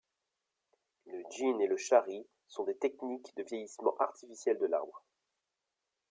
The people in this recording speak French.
Le jin et le shari sont des techniques de vieillissement artificiel de l'arbre.